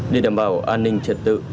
để đảm bảo an ninh trật tự